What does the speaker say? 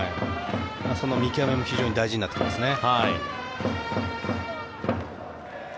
その見極めも非常に大事になってきますね。